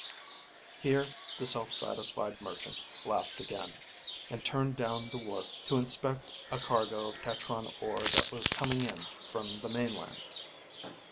Here the self satisfied merchant laughed again, and turned down the wharf to inspect a cargo of tetron ore that was coming in from the mainland.